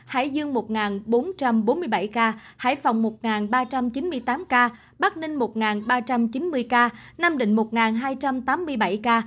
hải dương một bốn trăm bốn mươi bảy ca hải phòng một ba trăm chín mươi tám ca bắc ninh một ba trăm chín mươi ca nam định một hai trăm tám mươi bảy ca